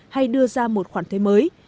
hay đưa ra một khoản thuê mới